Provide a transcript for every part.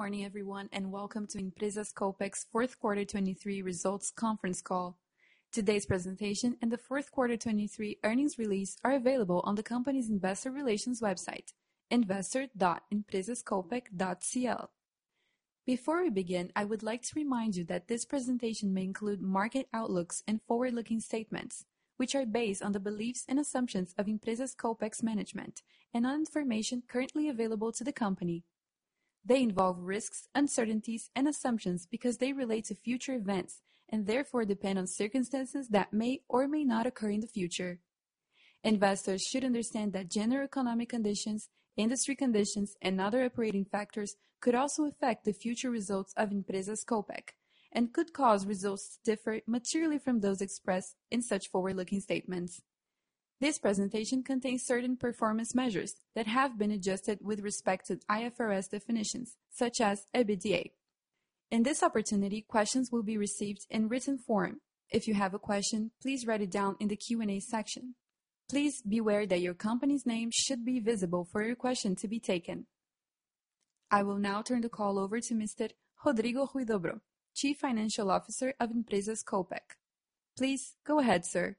Good morning everyone and welcome to Empresas Copec's 4th Quarter 2023 results conference call. Today's presentation and the 4th Quarter 2023 earnings release are available on the company's investor relations website: investor.empresascopec.cl. Before we begin, I would like to remind you that this presentation may include market outlooks and forward-looking statements, which are based on the beliefs and assumptions of Empresas Copec's management and on information currently available to the company. They involve risks, uncertainties, and assumptions because they relate to future events and therefore depend on circumstances that may or may not occur in the future. Investors should understand that general economic conditions, industry conditions, and other operating factors could also affect the future results of Empresas Copec and could cause results to differ materially from those expressed in such forward-looking statements. This presentation contains certain performance measures that have been adjusted with respect to IFRS definitions such as EBITDA. In this opportunity, questions will be received in written form. If you have a question, please write it down in the Q&A section. Please beware that your company's name should be visible for your question to be taken. I will now turn the call over to Mr. Rodrigo Huidobro, Chief Financial Officer of Empresas Copec. Please go ahead, sir.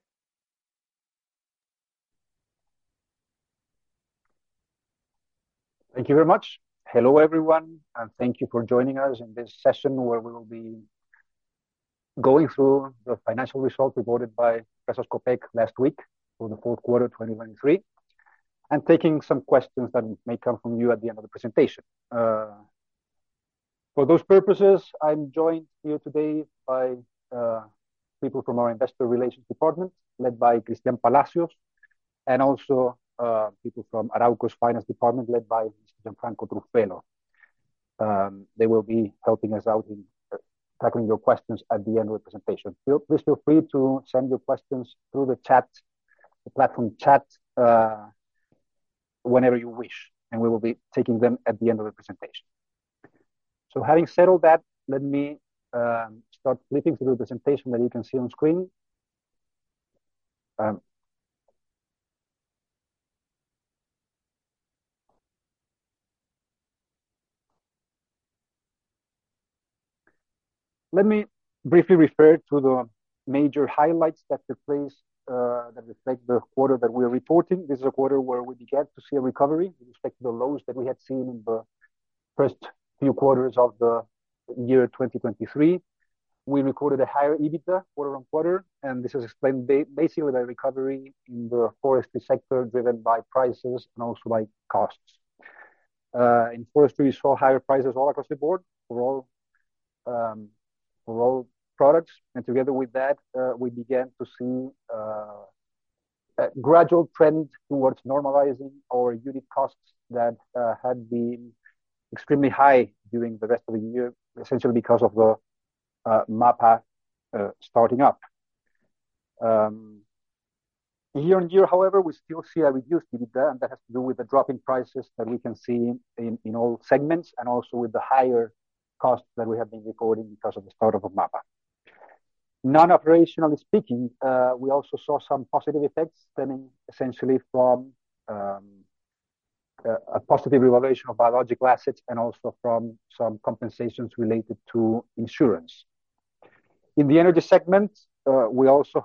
Thank you very much. Hello everyone, and thank you for joining us in this session where we will be going through the financial results reported by Empresas Copec last week for the 4th Quarter 2023 and taking some questions that may come from you at the end of the presentation. For those purposes, I'm joined here today by people from our investor relations department led by Cristián Palacios and also people from Arauco's Finance Department led by Mr. Gianfranco Truffello. They will be helping us out in tackling your questions at the end of the presentation. Please feel free to send your questions through the chat, the platform chat, whenever you wish, and we will be taking them at the end of the presentation. So having settled that, let me start flipping through the presentation that you can see on screen. Let me briefly refer to the major highlights that took place that reflect the quarter that we are reporting. This is a quarter where we began to see a recovery with respect to the lows that we had seen in the first few quarters of the year 2023. We recorded a higher EBITDA quarter-over-quarter, and this is explained basically by recovery in the forestry sector driven by prices and also by costs. In forestry, we saw higher prices all across the board for all products, and together with that, we began to see a gradual trend towards normalizing our unit costs that had been extremely high during the rest of the year, essentially because of the MAPA starting up. Year-on-year, however, we still see a reduced EBITDA, and that has to do with the drop in prices that we can see in all segments and also with the higher costs that we have been recording because of the startup of MAPA. Non-operationally speaking, we also saw some positive effects stemming essentially from a positive revaluation of biological assets and also from some compensations related to insurance. In the energy segment, we also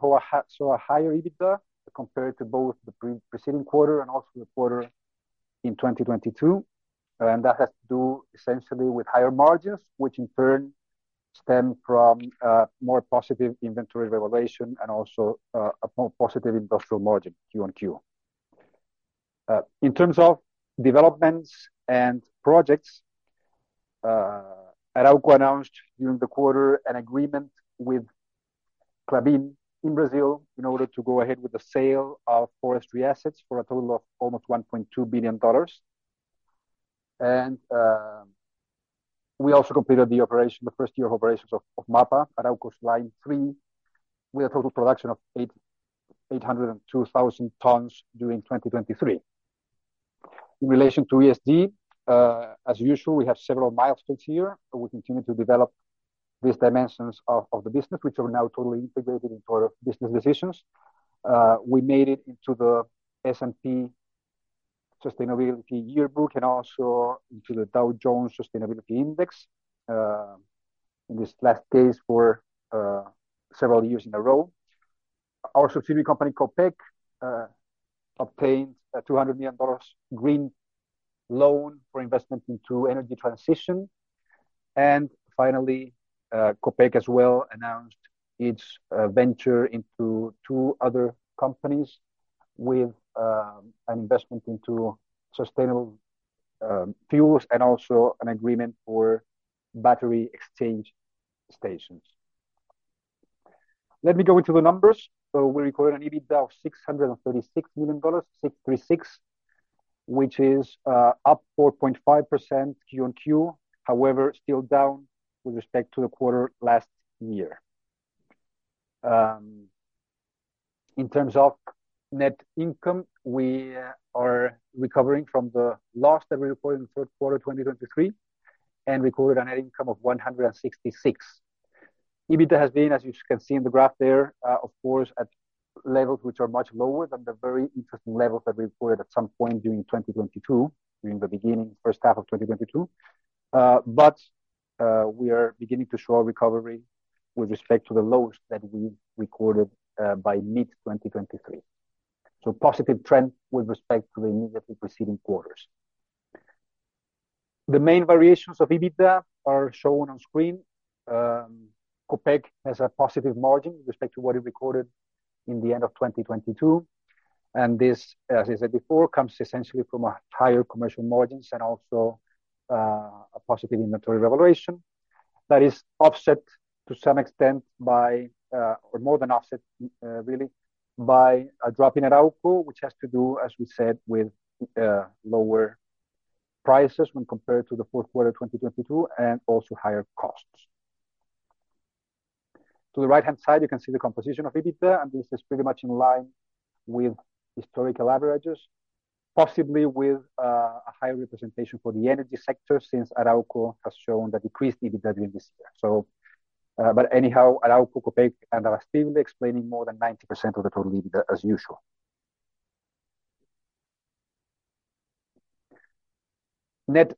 saw a higher EBITDA compared to both the preceding quarter and also the quarter in 2022, and that has to do essentially with higher margins, which in turn stem from more positive inventory revaluation and also a more positive industrial margin Q-on-Q. In terms of developments and projects, Arauco announced during the quarter an agreement with Klabin in Brazil in order to go ahead with the sale of forestry assets for a total of almost $1.2 billion. We also completed the operation, the first year of operations of MAPA, Arauco's Line 3, with a total production of 802,000 tons during 2023. In relation to ESG, as usual, we have several milestones here. We continue to develop these dimensions of the business, which are now totally integrated into our business decisions. We made it into the S&P Sustainability Yearbook and also into the Dow Jones Sustainability Index in this last case for several years in a row. Our subsidiary company, Copec, obtained a $200 million green loan for investment into energy transition. And finally, Copec as well announced its venture into two other companies with an investment into sustainable fuels and also an agreement for battery exchange stations. Let me go into the numbers. So we recorded an EBITDA of $636 million, which is up 4.5% Q on Q, however, still down with respect to the quarter last year. In terms of net income, we are recovering from the loss that we recorded in the third quarter 2023 and recorded a net income of $166 million. EBITDA has been, as you can see in the graph there, of course, at levels which are much lower than the very interesting levels that we recorded at some point during 2022, during the beginning, first half of 2022. But we are beginning to show a recovery with respect to the lows that we recorded by mid-2023. So positive trend with respect to the immediately preceding quarters. The main variations of EBITDA are shown on screen. Copec has a positive margin with respect to what it recorded in the end of 2022. This, as I said before, comes essentially from higher commercial margins and also a positive inventory revaluation that is offset to some extent by or more than offset, really, by a drop in Arauco, which has to do, as we said, with lower prices when compared to the fourth quarter 2022 and also higher costs. To the right-hand side, you can see the composition of EBITDA, and this is pretty much in line with historical averages, possibly with a higher representation for the energy sector since Arauco has shown a decreased EBITDA during this year. But anyhow, Arauco, Copec, and are still explaining more than 90% of the total EBITDA, as usual. Net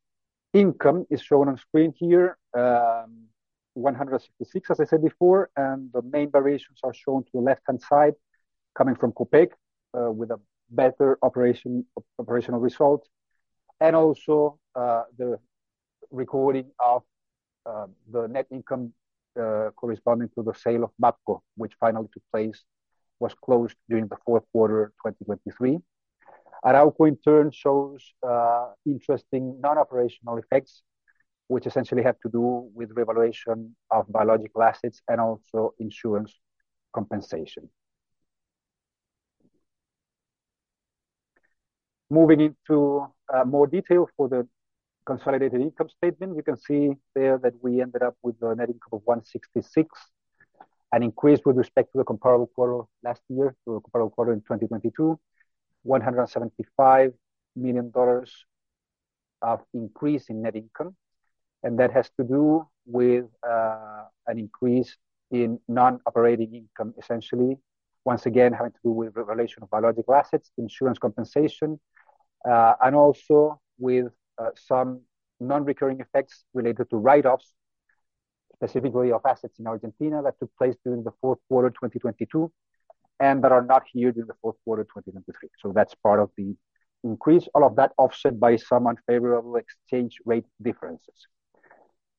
income is shown on screen here, $166, as I said before. The main variations are shown to the left-hand side, coming from Copec with a better operational result and also the recording of the net income corresponding to the sale of MAPCO, which finally took place, was closed during the fourth quarter 2023. Arauco, in turn, shows interesting non-operational effects, which essentially have to do with revaluation of biological assets and also insurance compensation. Moving into more detail for the consolidated income statement, you can see there that we ended up with a net income of $166 million, an increase with respect to the comparable quarter last year, to the comparable quarter in 2022, $175 million of increase in net income. That has to do with an increase in non-operating income, essentially, once again, having to do with revaluation of biological assets, insurance compensation, and also with some non-recurring effects related to write-offs, specifically of assets in Argentina that took place during the fourth quarter 2022 and that are not here during the fourth quarter 2023. So that's part of the increase, all of that offset by some unfavorable exchange rate differences.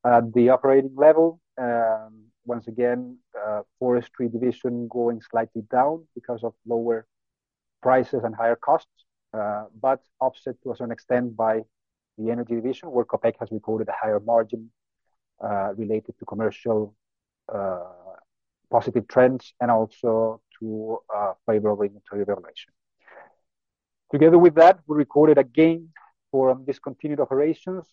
At the operating level, once again, forestry division going slightly down because of lower prices and higher costs, but offset to a certain extent by the energy division where Copec has recorded a higher margin related to commercial positive trends and also to favorable inventory revaluation. Together with that, we recorded a gain for discontinued operations,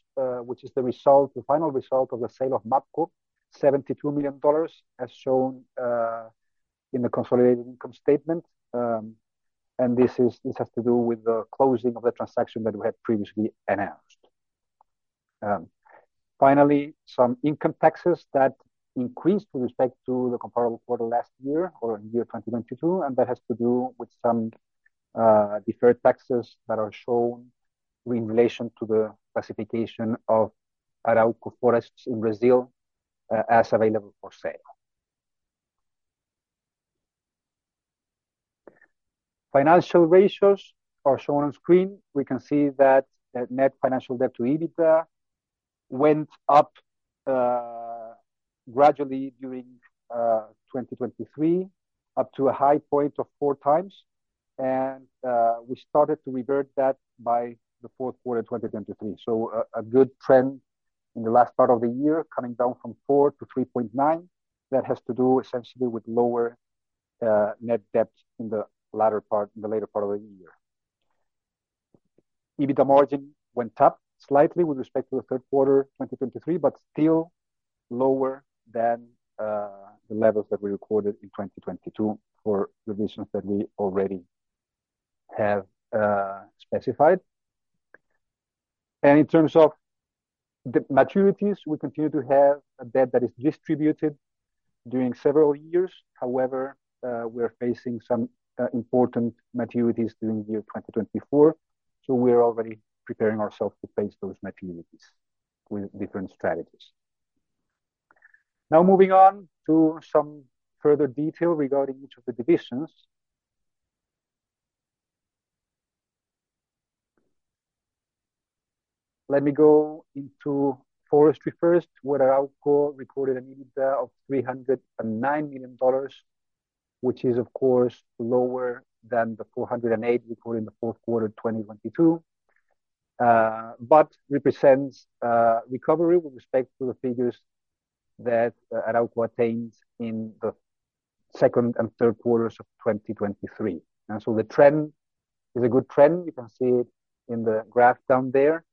which is the result, the final result of the sale of MAPCO, $72 million, as shown in the consolidated income statement. This has to do with the closing of the transaction that we had previously announced. Finally, some income taxes that increased with respect to the comparable quarter last year or in year 2022, and that has to do with some deferred taxes that are shown in relation to the classification of Arauco forests in Brazil as available for sale. Financial ratios are shown on screen. We can see that net financial debt to EBITDA went up gradually during 2023, up to a high point of 4x. And we started to revert that by the fourth quarter 2023. A good trend in the last part of the year, coming down from 4 to 3.9. That has to do essentially with lower net debt in the later part of the year. EBITDA margin went up slightly with respect to the third quarter 2023, but still lower than the levels that we recorded in 2022 for revisions that we already have specified. In terms of maturities, we continue to have a debt that is distributed during several years. However, we are facing some important maturities during year 2024. We are already preparing ourselves to face those maturities with different strategies. Now, moving on to some further detail regarding each of the divisions. Let me go into forestry first, where Arauco recorded an EBITDA of $309 million, which is, of course, lower than the $408 million recorded in the fourth quarter 2022, but represents recovery with respect to the figures that Arauco attained in the second and third quarters of 2023. The trend is a good trend. You can see it in the graph down there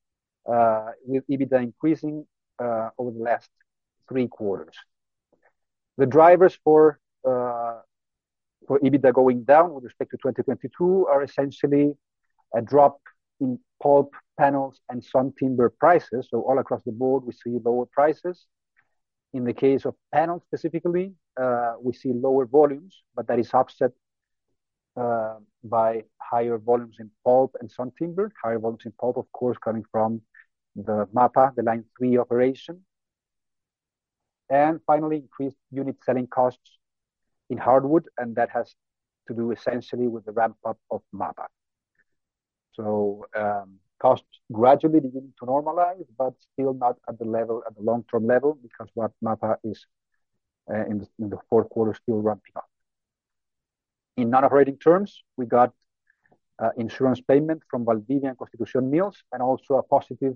with EBITDA increasing over the last three quarters. The drivers for EBITDA going down with respect to 2022 are essentially a drop in pulp, panels, and sawtimber prices. So all across the board, we see lower prices. In the case of panels specifically, we see lower volumes, but that is offset by higher volumes in pulp and sawtimber, higher volumes in pulp, of course, coming from the MAPA, the Line 3 operation. And finally, increased unit selling costs in hardwood, and that has to do essentially with the ramp-up of MAPA. So costs gradually beginning to normalize, but still not at the long-term level because MAPA is in the fourth quarter still ramping up. In non-operating terms, we got insurance payment from Valdivia and Constitución Mills and also a positive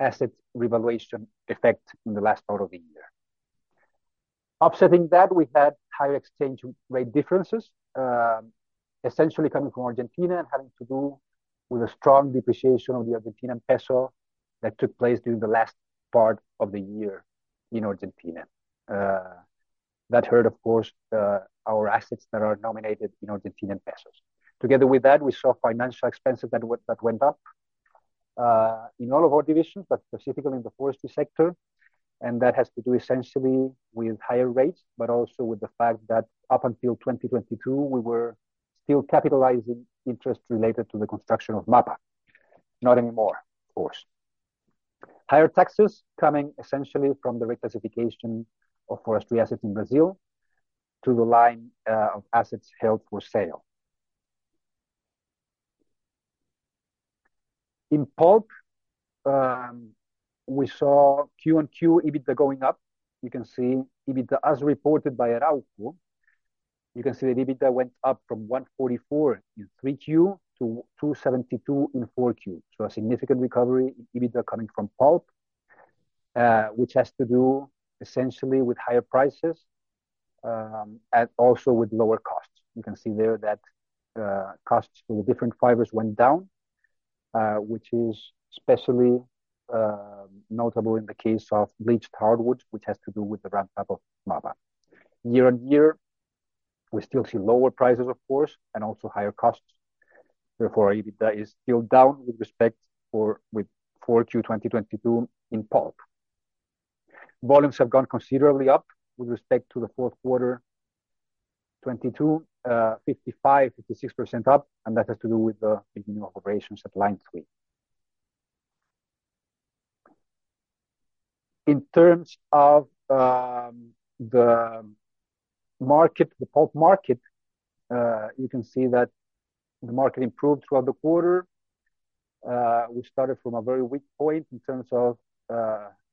asset revaluation effect in the last part of the year. Offsetting that, we had higher exchange rate differences, essentially coming from Argentina and having to do with a strong depreciation of the Argentine peso that took place during the last part of the year in Argentina. That hurt, of course, our assets that are denominated in Argentine pesos. Together with that, we saw financial expenses that went up in all of our divisions, but specifically in the forestry sector. And that has to do essentially with higher rates, but also with the fact that up until 2022, we were still capitalizing interest related to the construction of MAPA, not anymore, of course. Higher taxes coming essentially from the reclassification of forestry assets in Brazil to the line of assets held for sale. In pulp, we saw Q on Q EBITDA going up. You can see EBITDA as reported by Arauco. You can see that EBITDA went up from 144 in 3Q to 272 in 4Q. So a significant recovery in EBITDA coming from pulp, which has to do essentially with higher prices and also with lower costs. You can see there that costs for the different fibers went down, which is especially notable in the case of bleached hardwoods, which has to do with the ramp-up of MAPA. Year-on-year, we still see lower prices, of course, and also higher costs. Therefore, EBITDA is still down with respect to 4Q 2022 in pulp. Volumes have gone considerably up with respect to the fourth quarter 2022, 55%-56% up, and that has to do with the beginning of operations at Line 3. In terms of the pulp market, you can see that the market improved throughout the quarter. We started from a very weak point in terms of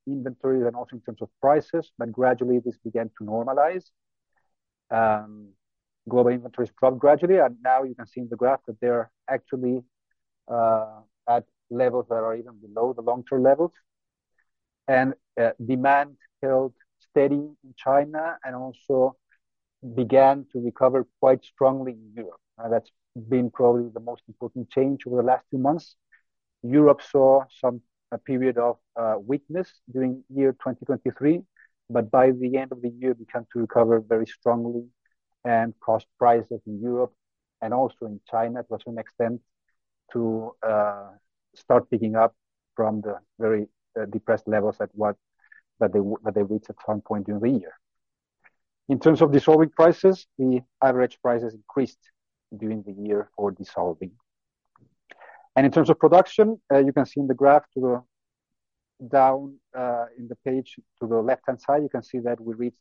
inventories and also in terms of prices, but gradually this began to normalize. Global inventories dropped gradually. Now you can see in the graph that they're actually at levels that are even below the long-term levels. Demand held steady in China and also began to recover quite strongly in Europe. That's been probably the most important change over the last two months. Europe saw a period of weakness during 2023, but by the end of the year, it began to recover very strongly and caused prices in Europe and also in China to a certain extent to start picking up from the very depressed levels that they reached at some point during the year. In terms of dissolving prices, the average prices increased during the year for dissolving. In terms of production, you can see in the graph down in the page to the left-hand side, you can see that we reached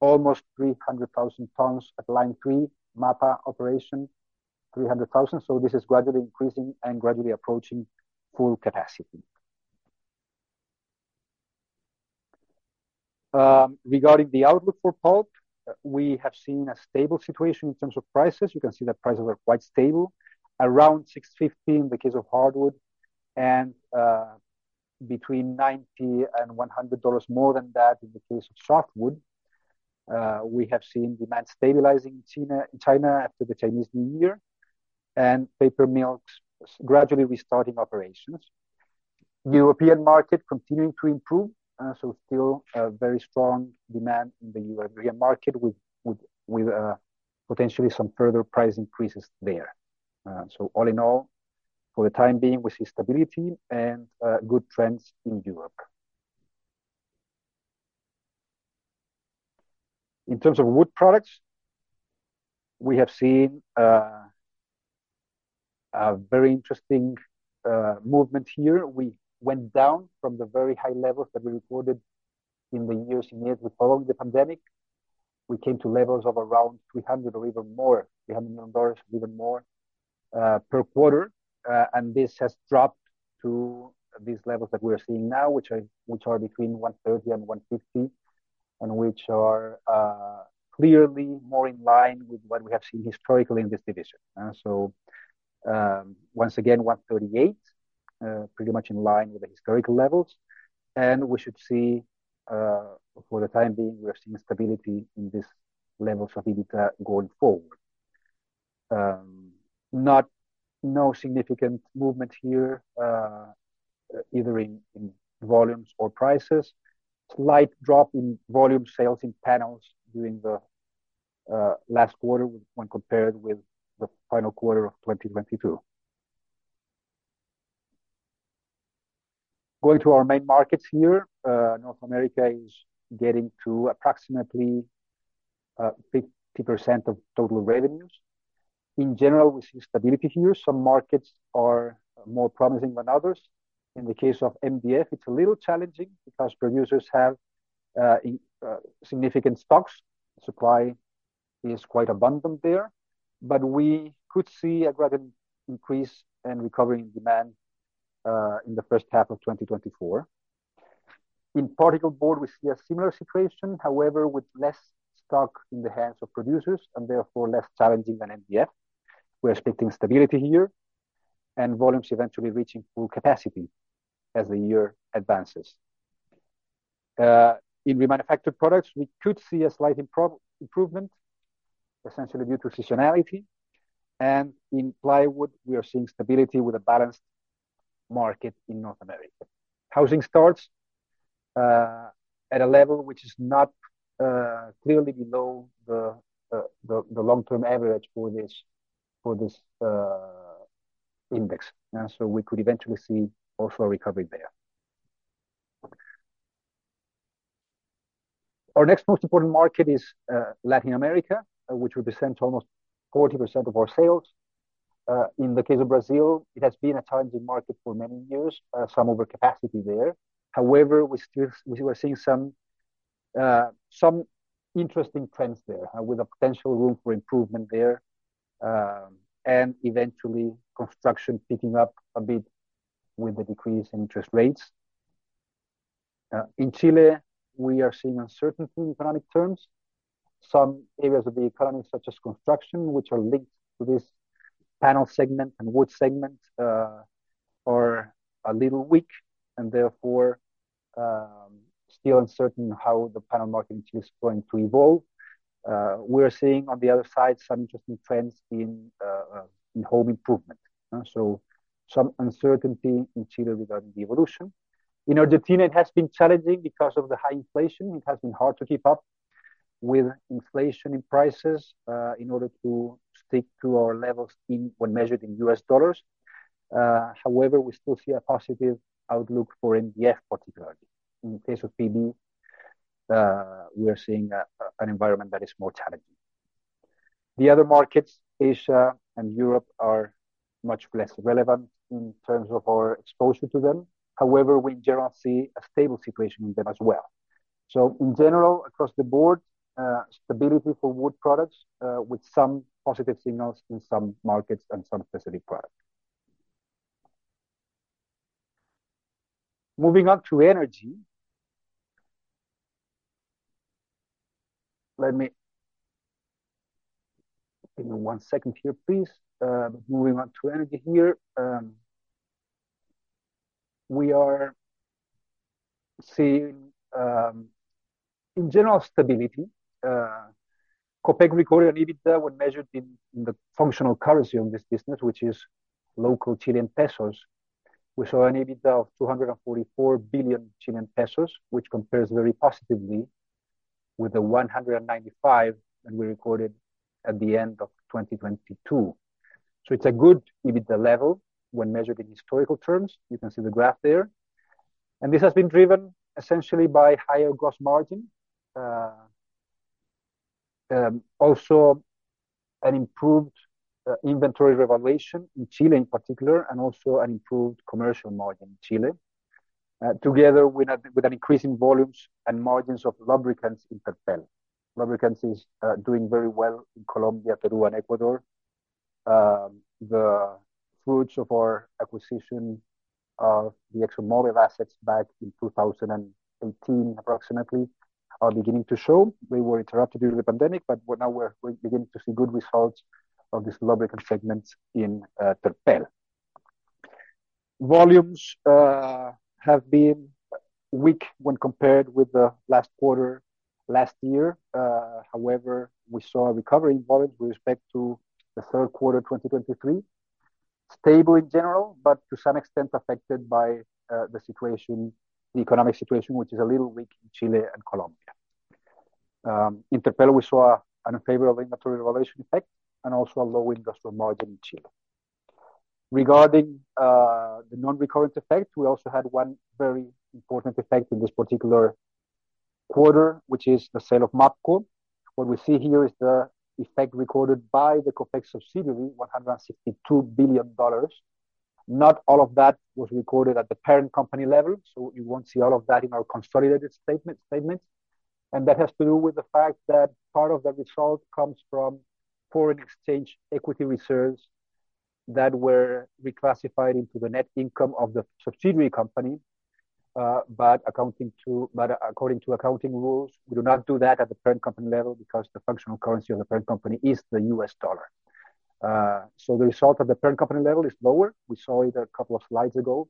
almost 300,000 tons at Line 3, MAPA operation, 300,000. So this is gradually increasing and gradually approaching full capacity. Regarding the outlook for pulp, we have seen a stable situation in terms of prices. You can see that prices are quite stable, around $615 in the case of hardwood and between $90 and $100 more than that in the case of softwood. We have seen demand stabilizing in China after the Chinese New Year and paper mills gradually restarting operations. European market continuing to improve. So still a very strong demand in the European market with potentially some further price increases there. So all in all, for the time being, we see stability and good trends in Europe. In terms of wood products, we have seen a very interesting movement here. We went down from the very high levels that we recorded in the years immediately following the pandemic. We came to levels of around $300 million or even more per quarter. This has dropped to these levels that we are seeing now, which are between $130 million and $150 million and which are clearly more in line with what we have seen historically in this division. So once again, $138 million, pretty much in line with the historical levels. We should see, for the time being, we are seeing stability in these levels of EBITDA going forward. No significant movement here either in volumes or prices, slight drop in volume sales in panels during the last quarter when compared with the final quarter of 2022. Going to our main markets here, North America is getting to approximately 50% of total revenues. In general, we see stability here. Some markets are more promising than others. In the case of MDF, it's a little challenging because producers have significant stocks. Supply is quite abundant there. But we could see a gradual increase and recovery in demand in the first half of 2024. In particle board, we see a similar situation, however, with less stock in the hands of producers and therefore less challenging than MDF. We are expecting stability here and volumes eventually reaching full capacity as the year advances. In remanufactured products, we could see a slight improvement, essentially due to seasonality. In plywood, we are seeing stability with a balanced market in North America. Housing starts at a level which is not clearly below the long-term average for this index. So we could eventually see also a recovery there. Our next most important market is Latin America, which represents almost 40% of our sales. In the case of Brazil, it has been a challenging market for many years, some overcapacity there. However, we were seeing some interesting trends there with a potential room for improvement there and eventually construction picking up a bit with the decrease in interest rates. In Chile, we are seeing uncertainty in economic terms. Some areas of the economy, such as construction, which are linked to this panel segment and wood segment, are a little weak and therefore still uncertain how the panel market in Chile is going to evolve. We are seeing, on the other side, some interesting trends in home improvement. So some uncertainty in Chile regarding the evolution. In Argentina, it has been challenging because of the high inflation. It has been hard to keep up with inflation in prices in order to stick to our levels when measured in US dollars. However, we still see a positive outlook for MDF, particularly. In the case of PB, we are seeing an environment that is more challenging. The other markets, Asia and Europe, are much less relevant in terms of our exposure to them. However, we in general see a stable situation in them as well. So in general, across the board, stability for wood products with some positive signals in some markets and some specific products. Moving on to energy. Give me one second here, please. Moving on to energy here. We are seeing, in general, stability. Copec recorded an EBITDA when measured in the functional currency of this business, which is local Chilean pesos. We saw an EBITDA of 244 billion Chilean pesos, which compares very positively with the 195 billion that we recorded at the end of 2022. So it's a good EBITDA level when measured in historical terms. You can see the graph there. And this has been driven essentially by higher gross margin, also an improved inventory revaluation in Chile in particular, and also an improved commercial margin in Chile, together with an increase in volumes and margins of lubricants in Terpel. Lubricants is doing very well in Colombia, Peru, and Ecuador. The fruits of our acquisition of the ExxonMobil assets back in 2018 approximately are beginning to show. They were interrupted during the pandemic, but now we're beginning to see good results of this lubricant segment in Terpel. Volumes have been weak when compared with the last quarter last year. However, we saw a recovery in volumes with respect to the third quarter 2023, stable in general, but to some extent affected by the economic situation, which is a little weak in Chile and Colombia. In Terpel, we saw an unfavorable inventory revaluation effect and also a low industrial margin in Chile. Regarding the non-recurrent effect, we also had one very important effect in this particular quarter, which is the sale of MAPCO. What we see here is the effect recorded by the Copec subsidiary, $162 billion. Not all of that was recorded at the parent company level. So you won't see all of that in our consolidated statements. And that has to do with the fact that part of the result comes from foreign exchange equity reserves that were reclassified into the net income of the subsidiary company. But according to accounting rules, we do not do that at the parent company level because the functional currency of the parent company is the US dollar. So the result at the parent company level is lower. We saw it a couple of slides ago,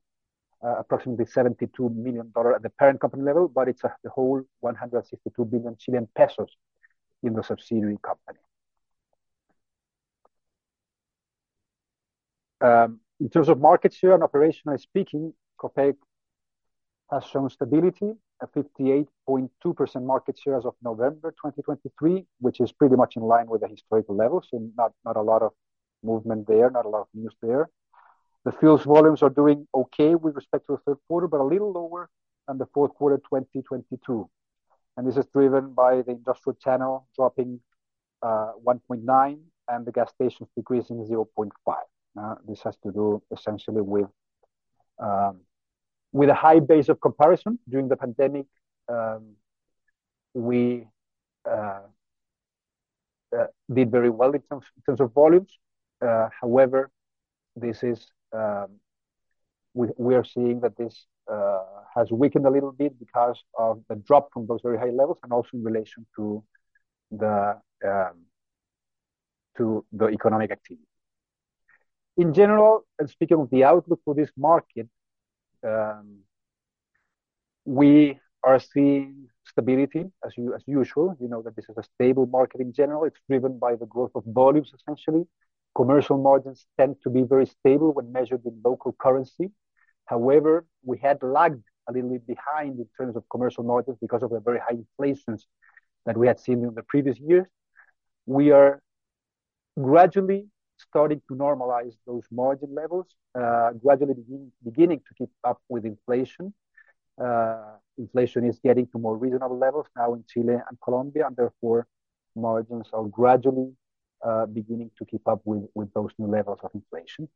approximately $72 million at the parent company level, but it's the whole 162 billion Chilean pesos in the subsidiary company. In terms of market share and operationally speaking, Copec has shown stability, a 58.2% market share as of November 2023, which is pretty much in line with the historical level. So not a lot of movement there, not a lot of news there. The fuels volumes are doing okay with respect to the third quarter, but a little lower than the fourth quarter 2022. And this is driven by the industrial channel dropping 1.9% and the gas stations decreasing 0.5%. This has to do essentially with a high base of comparison. During the pandemic, we did very well in terms of volumes. However, we are seeing that this has weakened a little bit because of the drop from those very high levels and also in relation to the economic activity. In general, and speaking of the outlook for this market, we are seeing stability as usual. You know that this is a stable market in general. It's driven by the growth of volumes, essentially. Commercial margins tend to be very stable when measured in local currency. However, we had lagged a little bit behind in terms of commercial margins because of the very high inflations that we had seen in the previous years. We are gradually starting to normalize those margin levels, gradually beginning to keep up with inflation. Inflation is getting to more reasonable levels now in Chile and Colombia, and therefore margins are gradually beginning to keep up with those new levels of inflation.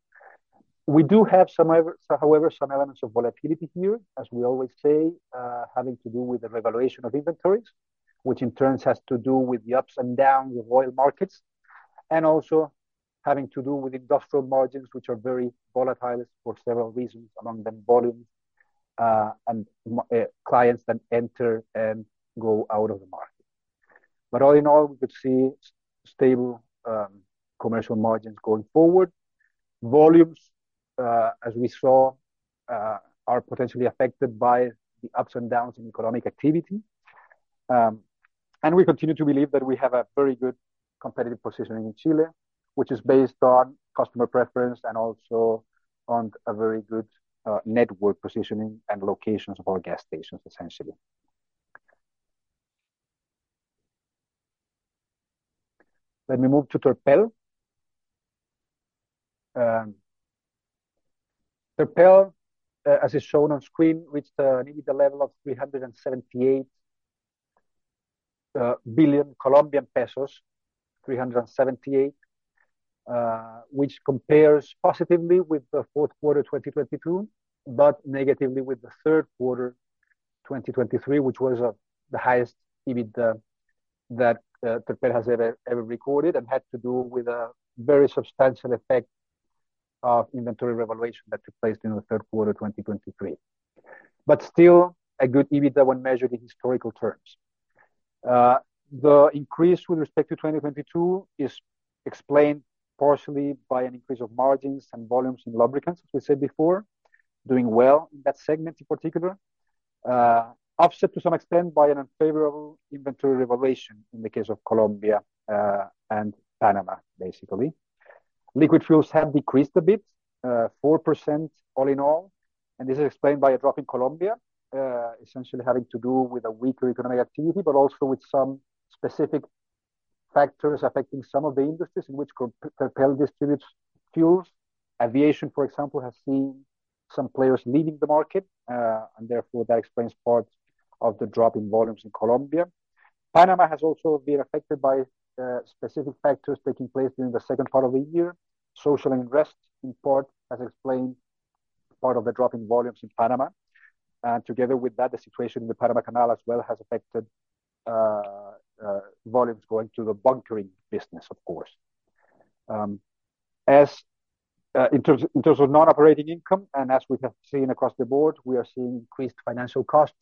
We do have, however, some elements of volatility here, as we always say, having to do with the revaluation of inventories, which in turn has to do with the ups and downs of oil markets and also having to do with industrial margins, which are very volatile for several reasons, among them volumes and clients that enter and go out of the market. But all in all, we could see stable commercial margins going forward. Volumes, as we saw, are potentially affected by the ups and downs in economic activity. We continue to believe that we have a very good competitive positioning in Chile, which is based on customer preference and also on a very good network positioning and locations of our gas stations, essentially. Let me move to Terpel. Terpel, as is shown on screen, reached an EBITDA level of COP 378 billion, 378, which compares positively with the fourth quarter 2022, but negatively with the third quarter 2023, which was the highest EBITDA that Terpel has ever recorded and had to do with a very substantial effect of inventory revaluation that took place during the third quarter 2023, but still a good EBITDA when measured in historical terms. The increase with respect to 2022 is explained partially by an increase of margins and volumes in lubricants, as we said before, doing well in that segment in particular, offset to some extent by an unfavorable inventory revaluation in the case of Colombia and Panama, basically. Liquid fuels have decreased a bit, 4% all in all. This is explained by a drop in Colombia, essentially having to do with a weaker economic activity, but also with some specific factors affecting some of the industries in which Terpel distributes fuels. Aviation, for example, has seen some players leaving the market, and therefore that explains part of the drop in volumes in Colombia. Panama has also been affected by specific factors taking place during the second part of the year. Social unrest, in part, has explained part of the drop in volumes in Panama. Together with that, the situation in the Panama Canal as well has affected volumes going to the bunkering business, of course. In terms of non-operating income and as we have seen across the board, we are seeing increased financial costs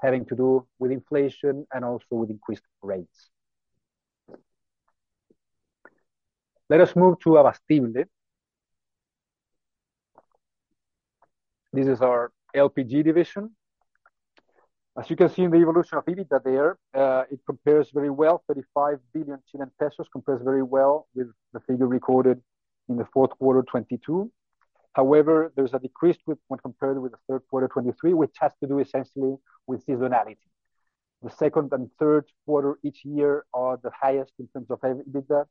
having to do with inflation and also with increased rates. Let us move to Abastible. This is our LPG division. As you can see in the evolution of EBITDA there, it compares very well. 35 billion Chilean pesos compares very well with the figure recorded in the fourth quarter 2022. However, there's a decrease when compared with the third quarter 2023, which has to do essentially with seasonality. The second and third quarter each year are the highest in terms of EBITDA,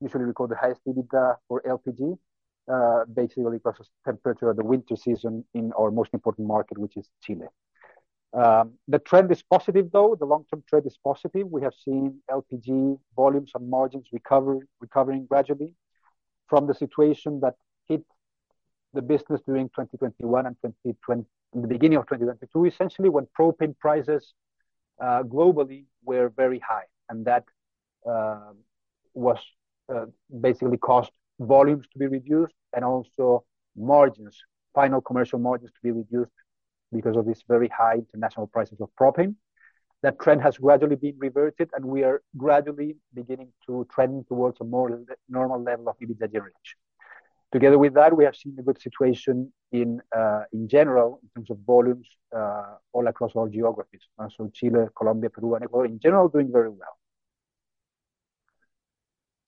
usually record the highest EBITDA for LPG, basically because of temperature of the winter season in our most important market, which is Chile. The trend is positive, though. The long-term trend is positive. We have seen LPG volumes and margins recovering gradually from the situation that hit the business during 2021 and the beginning of 2022, essentially when propane prices globally were very high. That basically caused volumes to be reduced and also margins, final commercial margins to be reduced because of these very high international prices of propane. That trend has gradually been reverted, and we are gradually beginning to trend towards a more normal level of EBITDA generation. Together with that, we have seen a good situation in general in terms of volumes all across our geographies, so Chile, Colombia, Peru, and Ecuador, in general, doing very well.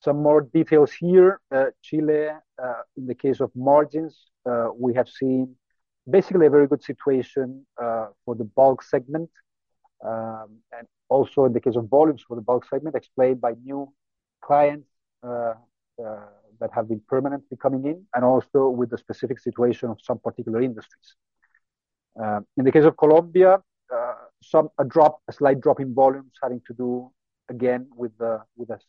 Some more details here. Chile, in the case of margins, we have seen basically a very good situation for the bulk segment and also in the case of volumes for the bulk segment explained by new clients that have been permanently coming in and also with the specific situation of some particular industries. In the case of Colombia, a slight drop in volumes having to do again with a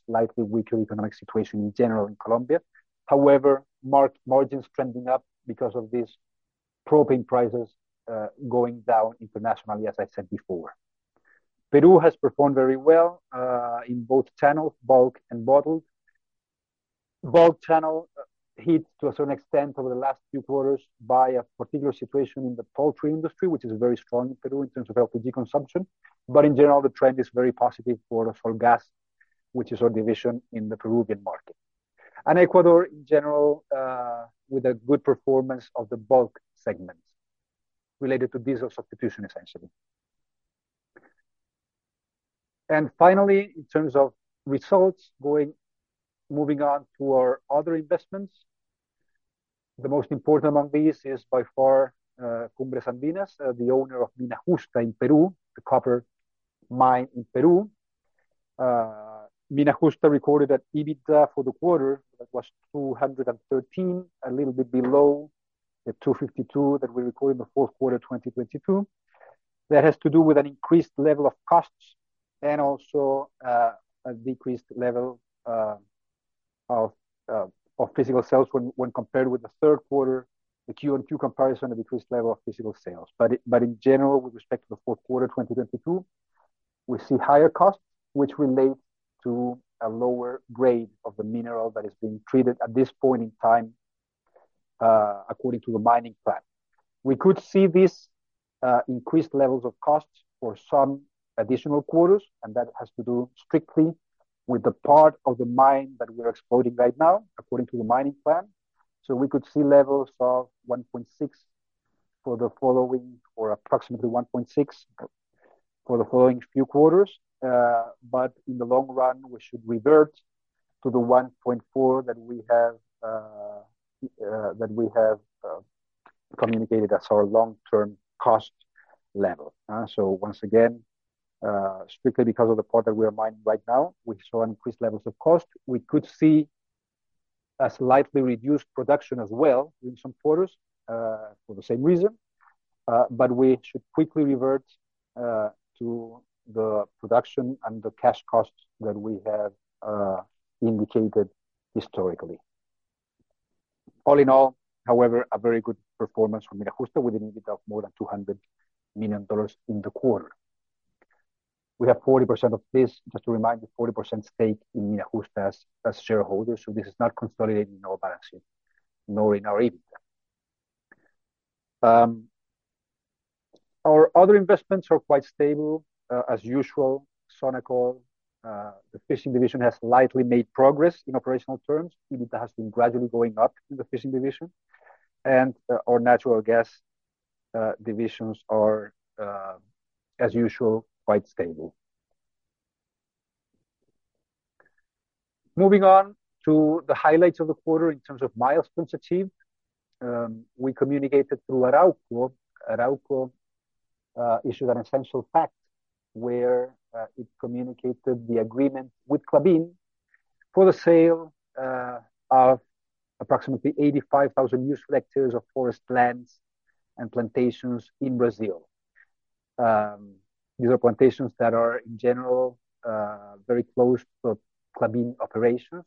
slightly weaker economic situation in general in Colombia. However, margins trending up because of these propane prices going down internationally, as I said before. Peru has performed very well in both channels, bulk and bottled. Bulk channel hit to a certain extent over the last few quarters by a particular situation in the poultry industry, which is very strong in Peru in terms of LPG consumption. But in general, the trend is very positive for our Solgas, which is our division in the Peruvian market, and Ecuador in general with a good performance of the bulk segment related to diesel substitution, essentially. And finally, in terms of results, moving on to our other investments, the most important among these is by far Cumbres Andinas, the owner of Mina Justa in Peru, the copper mine in Peru. Mina Justa recorded an EBITDA for the quarter that was $213, a little bit below the $252 that we recorded in the fourth quarter 2022. That has to do with an increased level of costs and also a decreased level of physical sales when compared with the third quarter, the quarter-on-quarter comparison, a decreased level of physical sales. In general, with respect to the fourth quarter 2022, we see higher costs, which relate to a lower grade of the mineral that is being treated at this point in time according to the mining plan. We could see these increased levels of costs for some additional quarters, and that has to do strictly with the part of the mine that we're exploiting right now according to the mining plan. So we could see levels of 1.6 for the following or approximately 1.6 for the following few quarters. But in the long run, we should revert to the 1.4 that we have communicated as our long-term cost level. So once again, strictly because of the part that we are mining right now, we saw increased levels of cost. We could see a slightly reduced production as well during some quarters for the same reason. But we should quickly revert to the production and the cash costs that we have indicated historically. All in all, however, a very good performance for Mina Justa with an EBITDA of more than $200 million in the quarter. We have 40% of this just to remind you, 40% stake in Mina Justa as shareholders. So this is not consolidating in our balance sheet, nor in our EBITDA. Our other investments are quite stable, as usual, Sonacol. The fishing division has lightly made progress in operational terms. EBITDA has been gradually going up in the fishing division. And our natural gas divisions are, as usual, quite stable. Moving on to the highlights of the quarter in terms of milestones achieved, we communicated through Arauco. Arauco issued an essential pact where it communicated the agreement with Klabin for the sale of approximately 85,000 hectares of forest lands and plantations in Brazil. These are plantations that are, in general, very close to Klabin operations.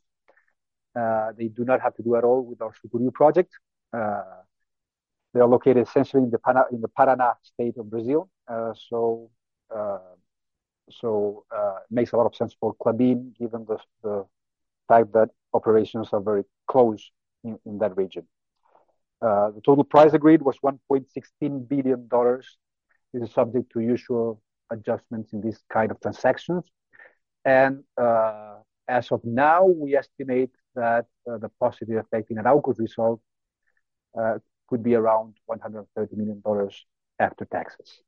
They do not have to do at all with our Sucuriú project. They are located essentially in the Paraná state of Brazil. So it makes a lot of sense for Klabin given the fact that operations are very close in that region. The total price agreed was $1.16 billion. This is subject to usual adjustments in these kind of transactions. And as of now, we estimate that the positive effect in Arauco's result could be around $130 million after taxes.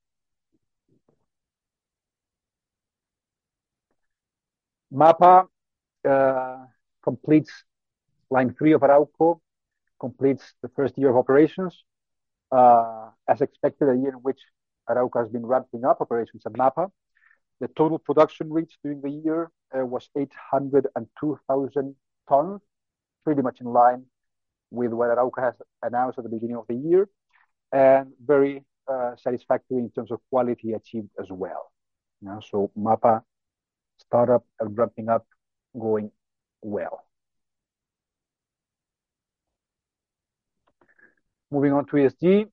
MAPA completes line three of Arauco, completes the first year of operations. As expected, a year in which Arauco has been ramping up operations at MAPA. The total production reached during the year was 802,000 tons, pretty much in line with what Arauco has announced at the beginning of the year and very satisfactory in terms of quality achieved as well. So MAPA startup and ramping up going well. Moving on to ESG,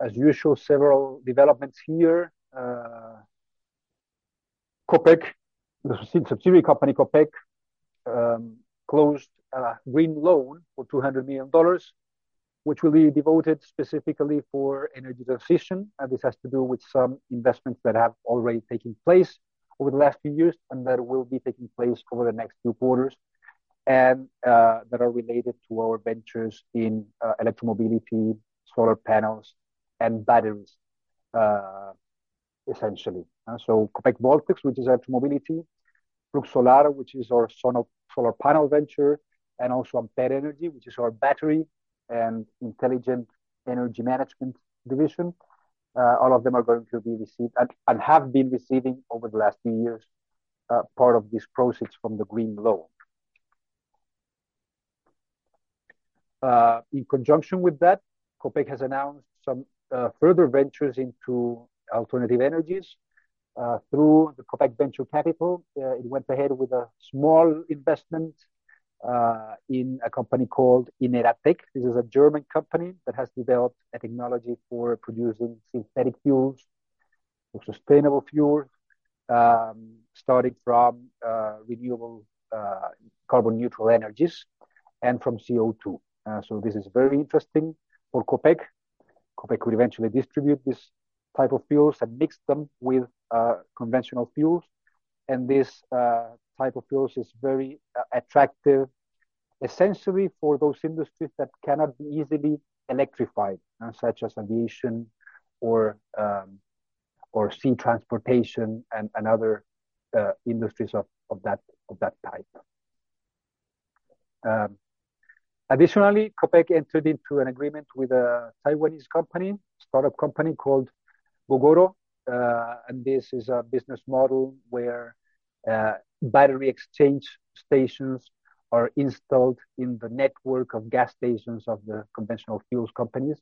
as usual, several developments here. The subsidiary company, Copec, closed a green loan for $200 million, which will be devoted specifically for energy transition. And this has to do with some investments that have already taken place over the last few years and that will be taking place over the next few quarters and that are related to our ventures in electromobility, solar panels, and batteries, essentially. So Copec Voltex, which is electromobility; Flux Solar, which is our solar panel venture; and also Ampere Energy, which is our battery and intelligent energy management division. All of them are going to be received and have been receiving over the last few years part of these proceeds from the green loan. In conjunction with that, Copec has announced some further ventures into alternative energies through the Copec Venture Capital. It went ahead with a small investment in a company called INERATEC. This is a German company that has developed a technology for producing synthetic fuels or sustainable fuels starting from renewable carbon-neutral energies and from CO2. So this is very interesting for Copec. Copec would eventually distribute this type of fuels and mix them with conventional fuels. And this type of fuels is very attractive, essentially, for those industries that cannot be easily electrified, such as aviation or sea transportation and other industries of that type. Additionally, Copec entered into an agreement with a Taiwanese startup company called Gogoro. This is a business model where battery exchange stations are installed in the network of gas stations of the conventional fuels companies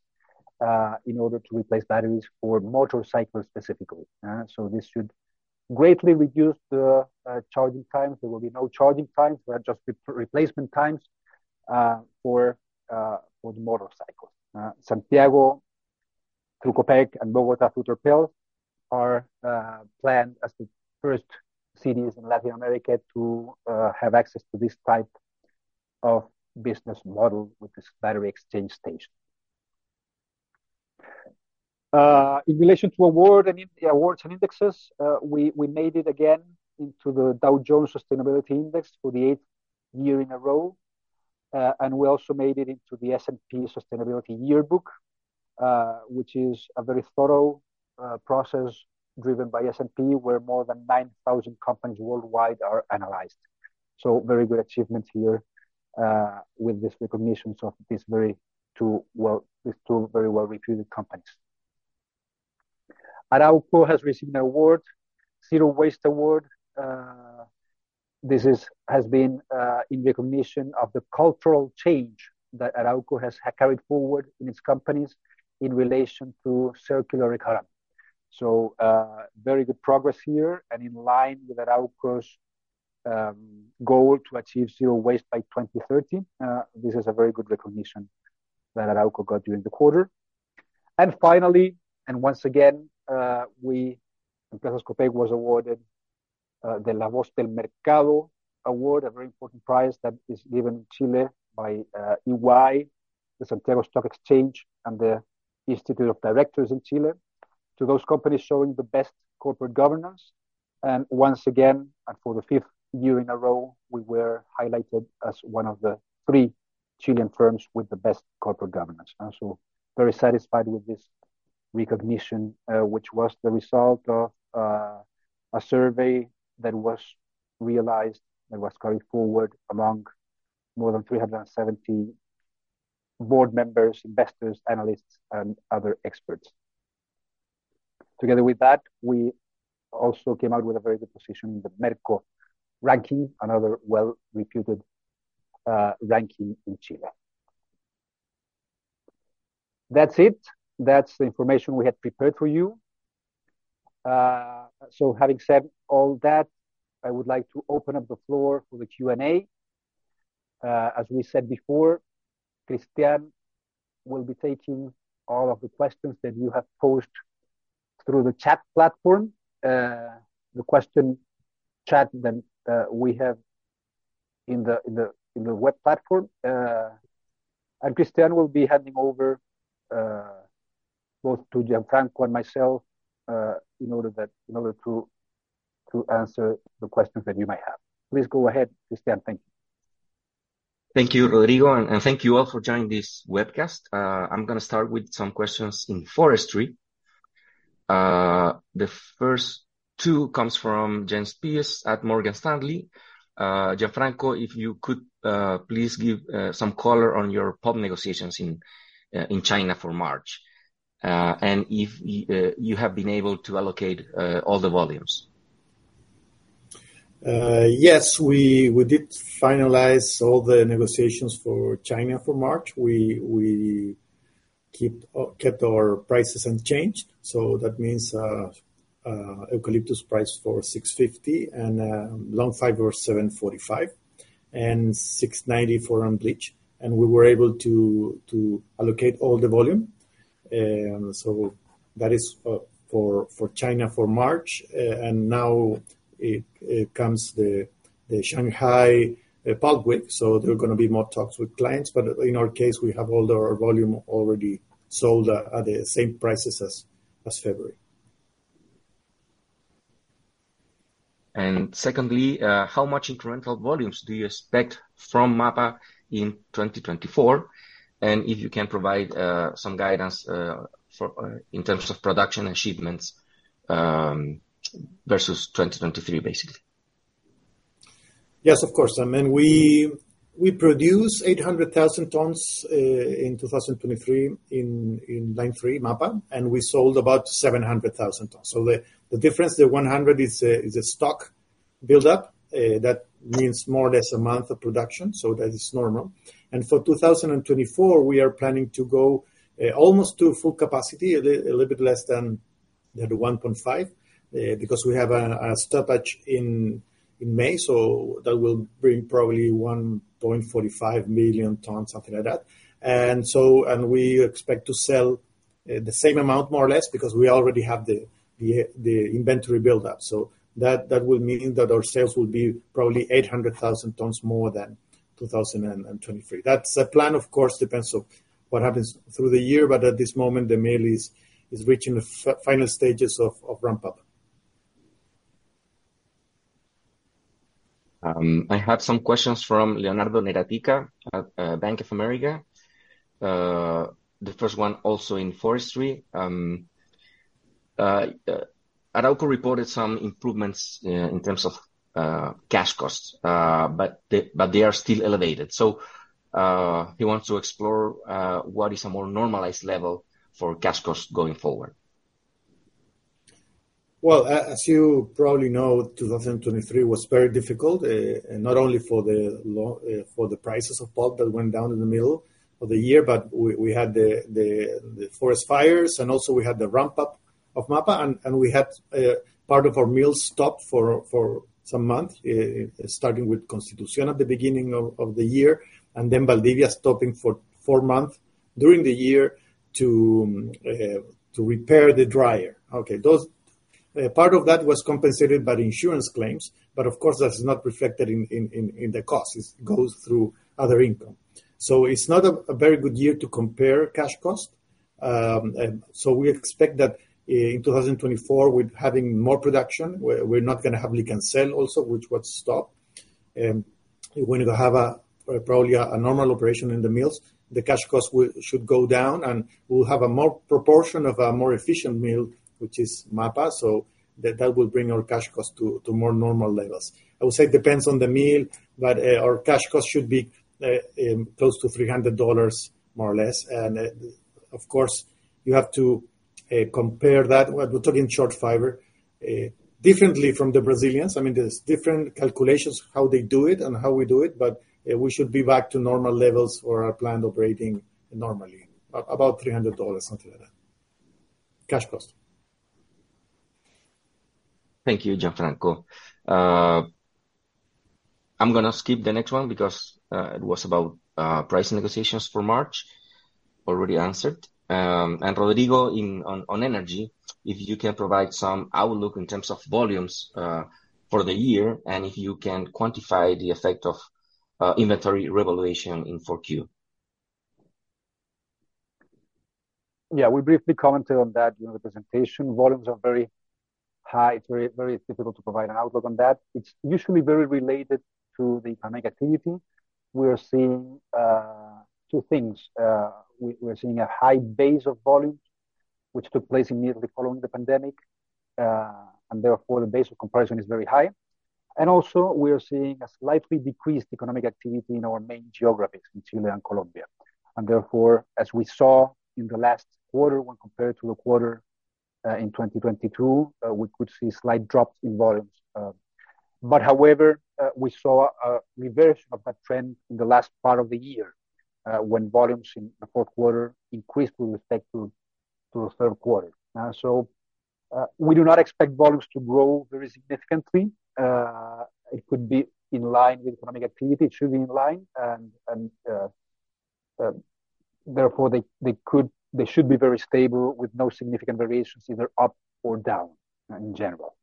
in order to replace batteries for motorcycles specifically. So this should greatly reduce the charging times. There will be no charging times. There are just replacement times for the motorcycles. Santiago, through Copec, and Bogotá through Terpel, are planned as the first cities in Latin America to have access to this type of business model with this battery exchange station. In relation to awards and indexes, we made it again into the Dow Jones Sustainability Index for the eighth year in a row. And we also made it into the S&P Sustainability Yearbook, which is a very thorough process driven by S&P where more than 9,000 companies worldwide are analyzed. So very good achievements here with these recognitions of these two very well-reputed companies. Arauco has received an award, Zero Waste Award. This has been in recognition of the cultural change that Arauco has carried forward in its companies in relation to circular economy. So very good progress here and in line with Arauco's goal to achieve zero waste by 2030. This is a very good recognition that Arauco got during the quarter. And finally, and once again, Empresas Copec was awarded the La Voz del Mercado Award, a very important prize that is given in Chile by EY, the Santiago Stock Exchange, and the Institute of Directors in Chile to those companies showing the best corporate governance. And once again, and for the fifth year in a row, we were highlighted as one of the three Chilean firms with the best corporate governance. So very satisfied with this recognition, which was the result of a survey that was carried forward among more than 370 board members, investors, analysts, and other experts. Together with that, we also came out with a very good position in the Merco ranking, another well-reputed ranking in Chile. That's it. That's the information we had prepared for you. So having said all that, I would like to open up the floor for the Q&A. As we said before, Cristián will be taking all of the questions that you have posed through the chat platform, the question chat that we have in the web platform. And Cristián will be handing over both to Gianfranco and myself in order to answer the questions that you might have. Please go ahead, Cristián. Thank you. Thank you, Rodrigo. Thank you all for joining this webcast. I'm going to start with some questions in forestry. The first two come from Jens Spiess at Morgan Stanley. Gianfranco Truffelo, if you could, please give some color on your pulp negotiations in China for March and if you have been able to allocate all the volumes. Yes, we did finalize all the negotiations for China for March. We kept our prices unchanged. So that means eucalyptus price for $650 and long fiber $745 and $690 for unbleached. And we were able to allocate all the volume. So that is for China for March. And now it comes the Shanghai Pulp Week. So there are going to be more talks with clients. But in our case, we have all our volume already sold at the same prices as February. And secondly, how much incremental volumes do you expect from MAPA in 2024? And if you can provide some guidance in terms of production and shipments versus 2023, basically. Yes, of course. I mean, we produced 800,000 tons in 2023 in Line 3, MAPA. And we sold about 700,000 tons. So the difference, the 100,000, is the stock buildup. That means more or less a month of production. So that is normal. And for 2024, we are planning to go almost to full capacity, a little bit less than the 1.5 because we have a stoppage in May. So that will bring probably 1.45 million tons, something like that. And we expect to sell the same amount, more or less, because we already have the inventory buildup. So that will mean that our sales will be probably 800,000 tons more than 2023. That's a plan. Of course, it depends on what happens through the year. But at this moment, the mill is reaching the final stages of ramp-up. I have some questions from Leonardo Correa at Bank of America. The first one also in forestry. Arauco reported some improvements in terms of cash costs, but they are still elevated. So he wants to explore what is a more normalized level for cash costs going forward. Well, as you probably know, 2023 was very difficult, not only for the prices of pulp that went down in the middle of the year, but we had the forest fires. We also had the ramp-up of MAPA. We had part of our mill stopped for some months, starting with Constitución at the beginning of the year and then Valdivia stopping for four months during the year to repair the dryer. Okay. Part of that was compensated by insurance claims. But of course, that's not reflected in the cost. It goes through other income. So it's not a very good year to compare cash costs. So we expect that in 2024, with having more production, we're not going to heavily cannibalize also, which was stopped. We're going to have probably a normal operation in the mills. The cash costs should go down. And we'll have a more proportion of a more efficient mill, which is MAPA. So that will bring our cash costs to more normal levels. I would say it depends on the mill. But our cash costs should be close to $300, more or less. And of course, you have to compare that. We're talking short fiber. Differently from the Brazilians. I mean, there's different calculations, how they do it and how we do it. But we should be back to normal levels for our plant operating normally, about $300, something like that, cash cost. Thank you, Gianfranco. I'm going to skip the next one because it was about price negotiations for March, already answered. And Rodrigo, on energy, if you can provide some outlook in terms of volumes for the year and if you can quantify the effect of inventory revaluation in 4Q. Yeah, we briefly commented on that during the presentation. Volumes are very high. It's very difficult to provide an outlook on that. It's usually very related to the economic activity. We are seeing two things. We are seeing a high base of volumes, which took place immediately following the pandemic. And therefore, the base of comparison is very high. And also, we are seeing a slightly decreased economic activity in our main geographies, in Chile and Colombia. And therefore, as we saw in the last quarter, when compared to the quarter in 2022, we could see slight drops in volumes. But however, we saw a reversion of that trend in the last part of the year when volumes in the fourth quarter increased with respect to the third quarter. So we do not expect volumes to grow very significantly. It could be in line with economic activity. It should be in line. Therefore, they should be very stable with no significant variations, either up or down in general.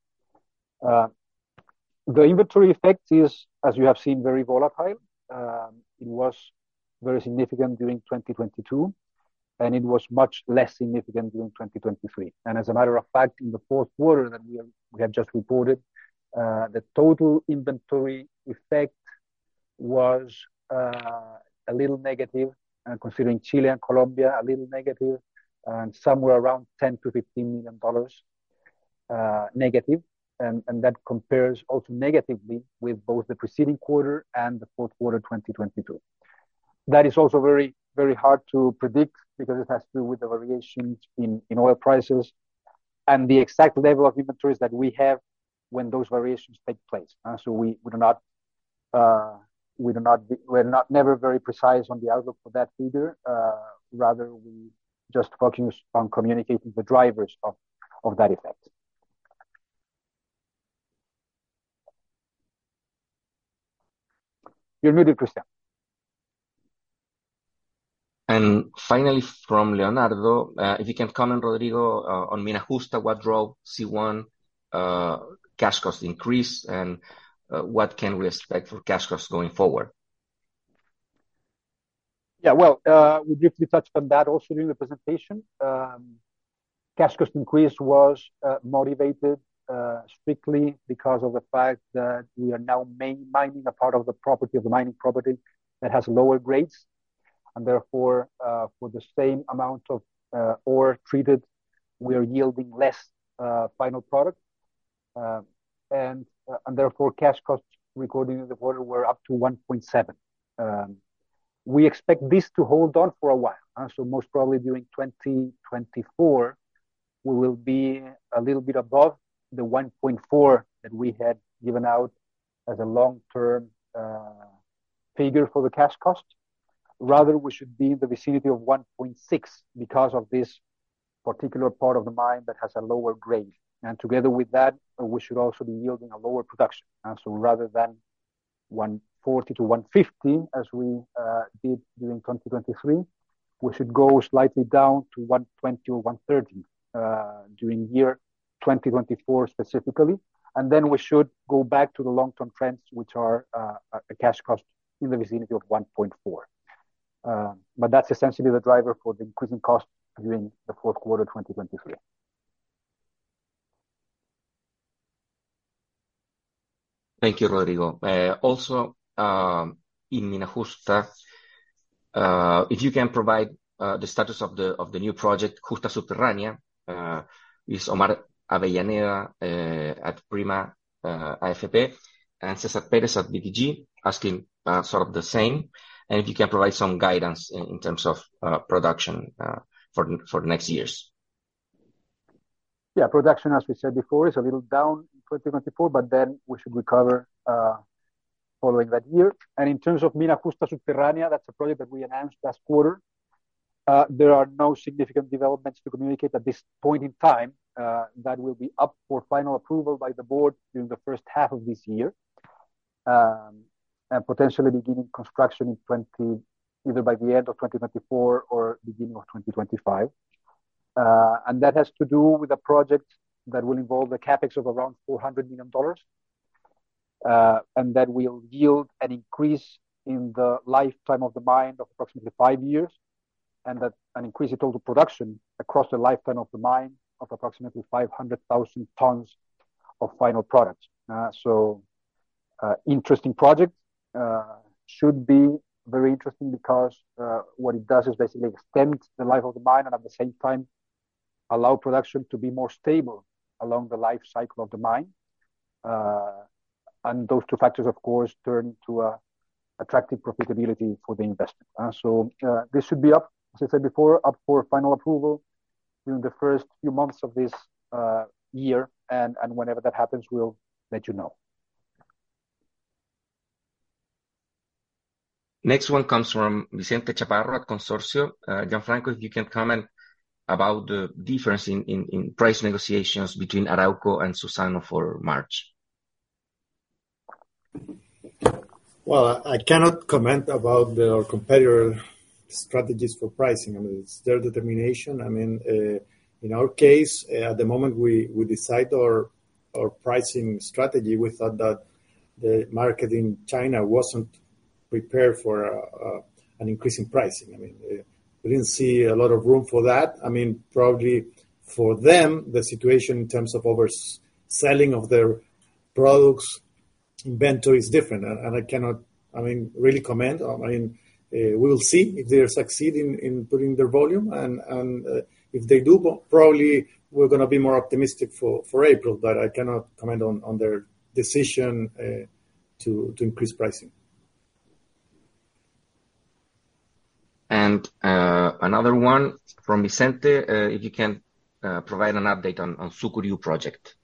The inventory effect is, as you have seen, very volatile. It was very significant during 2022. It was much less significant during 2023. As a matter of fact, in the fourth quarter that we have just reported, the total inventory effect was a little negative, considering Chile and Colombia, a little negative, and somewhere around $10 million-$15 million negative. That compares also negatively with both the preceding quarter and the fourth quarter 2022. That is also very hard to predict because it has to do with the variations in oil prices and the exact level of inventories that we have when those variations take place. We are never very precise on the outlook for that either. Rather, we just focus on communicating the drivers of that effect. You're muted, Cristián. Finally, from Leonardo, if you can comment, Rodrigo, on Mina Justa, what drove C1 cash cost increase and what can we expect for cash costs going forward? Yeah, well, we briefly touched on that also during the presentation. Cash cost increase was motivated strictly because of the fact that we are now mining a part of the property of the mining property that has lower grades. And therefore, for the same amount of ore treated, we are yielding less final product. And therefore, cash costs recorded in the quarter were up to $1.7. We expect this to hold on for a while. So most probably during 2024, we will be a little bit above the $1.4 that we had given out as a long-term figure for the cash cost. Rather, we should be in the vicinity of $1.6 because of this particular part of the mine that has a lower grade. And together with that, we should also be yielding a lower production. Rather than $140-$150 as we did during 2023, we should go slightly down to $120 or $130 during year 2024 specifically. Then we should go back to the long-term trends, which are a cash cost in the vicinity of $1.4. But that's essentially the driver for the increasing costs during the fourth quarter 2023. Thank you, Rodrigo. Also, in Mina Justa, if you can provide the status of the new project, Justa Subterránea, is Omar Avellaneda at Prima AFP and César Pérez at BTG asking sort of the same. And if you can provide some guidance in terms of production for next years. Yeah, production, as we said before, is a little down in 2024. But then we should recover following that year. In terms of Mina Justa Subterránea, that's a project that we announced last quarter. There are no significant developments to communicate at this point in time that will be up for final approval by the board during the first half of this year and potentially beginning construction either by the end of 2024 or beginning of 2025. That has to do with a project that will involve a CapEx of around $400 million and that will yield an increase in the lifetime of the mine of approximately five years and an increase in total production across the lifetime of the mine of approximately 500,000 tons of final products. So interesting project. Should be very interesting because what it does is basically extend the life of the mine and at the same time, allow production to be more stable along the life cycle of the mine. Those two factors, of course, turn into attractive profitability for the investment. This should be up, as I said before, up for final approval during the first few months of this year. Whenever that happens, we'll let you know. Next one comes from Vicente Chaparro at Consorcio. Gianfranco, if you can comment about the difference in price negotiations between Arauco and Suzano for March. Well, I cannot comment about our competitor strategies for pricing. I mean, it's their determination. I mean, in our case, at the moment we decide our pricing strategy, we thought that the market in China wasn't prepared for an increasing pricing. I mean, we didn't see a lot of room for that. I mean, probably for them, the situation in terms of overselling of their products, inventory is different. And I cannot, I mean, really comment. I mean, we will see if they are succeeding in putting their volume. And if they do, probably we're going to be more optimistic for April. But I cannot comment on their decision to increase pricing. Another one from Vicente, if you can provide an update on Sucuriú project.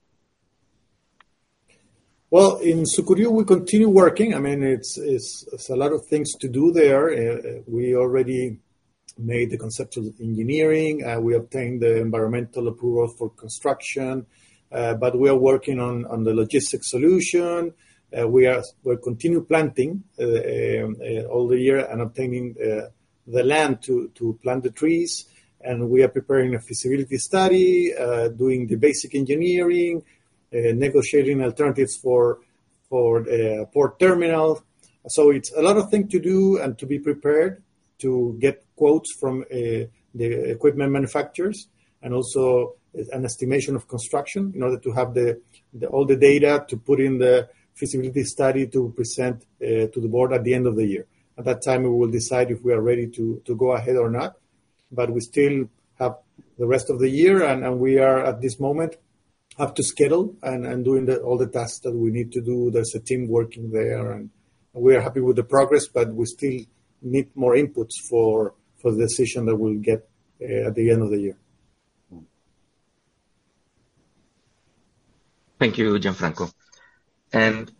Well, in Sucuriú, we continue working. I mean, it's a lot of things to do there. We already made the conceptual engineering. We obtained the environmental approvals for construction. But we are working on the logistics solution. We continue planting all the year and obtaining the land to plant the trees. And we are preparing a feasibility study, doing the basic engineering, negotiating alternatives for port terminal. So it's a lot of things to do and to be prepared to get quotes from the equipment manufacturers and also an estimation of construction in order to have all the data to put in the feasibility study to present to the board at the end of the year. At that time, we will decide if we are ready to go ahead or not. But we still have the rest of the year. We are, at this moment, up to schedule and doing all the tasks that we need to do. There's a team working there. We are happy with the progress. But we still need more inputs for the decision that we'll get at the end of the year. Thank you, Gianfranco.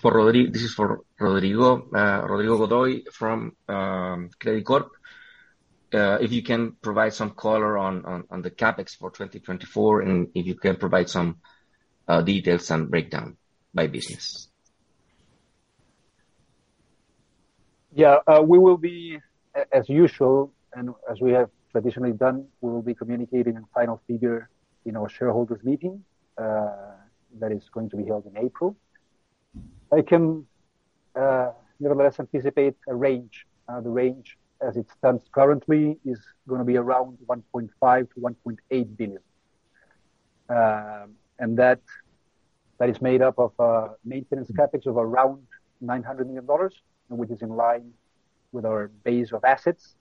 For Rodrigo, Rodrigo Godoy from Credicorp Capital, if you can provide some color on the CapEx for 2024 and if you can provide some details and breakdown by business. Yeah, we will be, as usual and as we have traditionally done, we will be communicating a final figure in our shareholders' meeting that is going to be held in April. I can nevertheless anticipate a range. The range, as it stands currently, is going to be around $1.5 billion-$1.8 billion. That is made up of a maintenance CapEx of around $900 million, which is in line with our base of assets.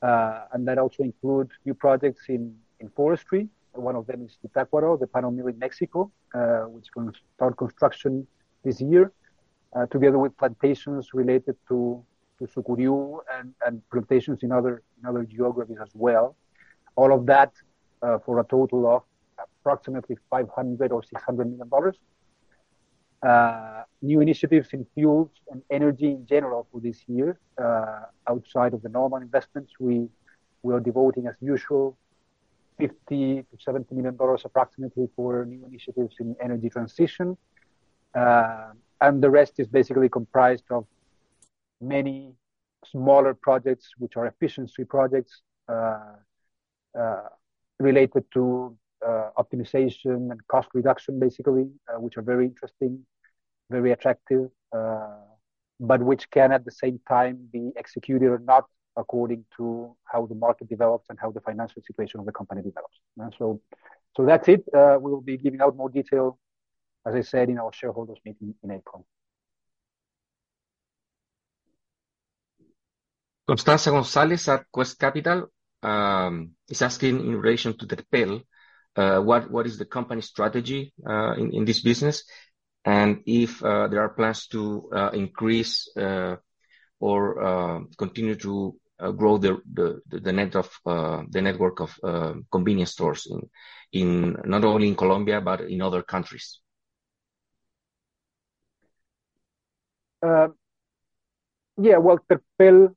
That also includes new projects in forestry. One of them is Zitácuaro, the panel mill in Mexico, which is going to start construction this year together with plantations related to Sucuriú and plantations in other geographies as well, all of that for a total of approximately $500 million or $600 million. New initiatives in fuels and energy in general for this year, outside of the normal investments, we are devoting, as usual, $50-$70 million approximately for new initiatives in energy transition. The rest is basically comprised of many smaller projects, which are efficiency projects related to optimization and cost reduction, basically, which are very interesting, very attractive, but which can, at the same time, be executed or not according to how the market develops and how the financial situation of the company develops. That's it. We will be giving out more detail, as I said, in our shareholders' meeting in April. Constanza González at Quest Capital is asking, in relation to Terpel, what is the company's strategy in this business and if there are plans to increase or continue to grow the network of convenience stores not only in Colombia but in other countries. Yeah, well, Terpel,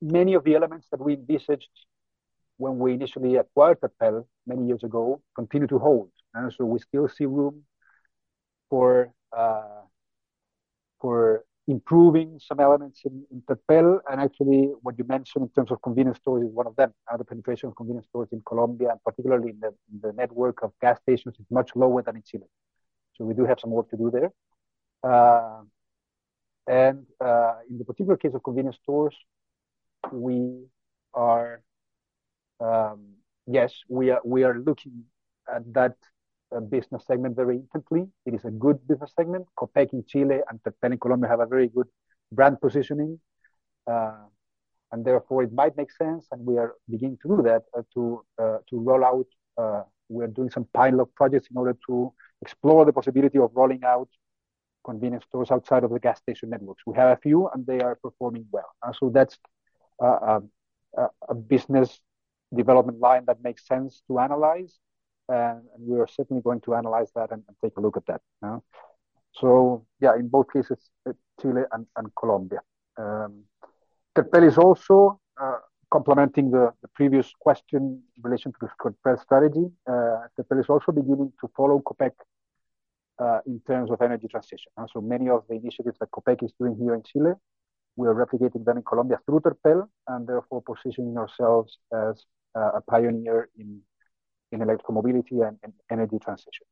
many of the elements that we envisioned when we initially acquired Terpel many years ago continue to hold. So we still see room for improving some elements in Terpel. And actually, what you mentioned in terms of convenience stores is one of them. The penetration of convenience stores in Colombia, and particularly in the network of gas stations, is much lower than in Chile. So we do have some work to do there. And in the particular case of convenience stores, yes, we are looking at that business segment very intently. It is a good business segment. Copec in Chile and Terpel in Colombia have a very good brand positioning. And therefore, it might make sense. And we are beginning to do that, to roll out. We are doing some pilot projects in order to explore the possibility of rolling out convenience stores outside of the gas station networks. We have a few, and they are performing well. So that's a business development line that makes sense to analyze. And we are certainly going to analyze that and take a look at that. So yeah, in both cases, Chile and Colombia. Terpel is also complementing the previous question in relation to the Terpel strategy. Terpel is also beginning to follow Copec in terms of energy transition. So many of the initiatives that Copec is doing here in Chile, we are replicating them in Colombia through Terpel and therefore positioning ourselves as a pioneer in electromobility and energy transition.